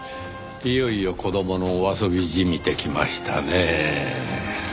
いよいよ子供のお遊びじみてきましたねぇ。